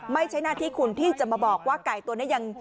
ไม่ใช่หน้าที่คุณที่จะมาบอกว่าไก่ตัวนี้ยัง